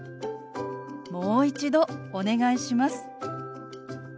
「もう一度お願いします」。